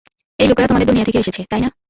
এই লোকেরা তোমাদের দুনিয়া থেকে এসেছে, তাই না।